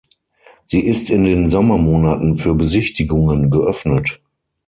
Sie ist in den Sommermonaten für Besichtigungen geöffnet.